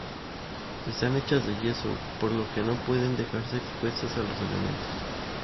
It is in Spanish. Están hechas en yeso, por lo que no pueden dejarse expuestas a los elementos.